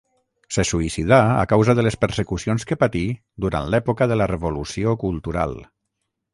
Se suïcidà a causa de les persecucions que patí durant l'època de la Revolució Cultural.